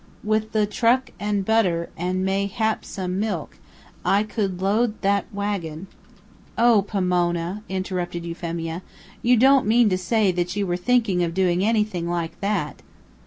With the truck and butter, and mayhap some milk, I could load that wagon " "O, Pomona," interrupted Euphemia. "You don't mean to say that you were thinking of doing anything like that?"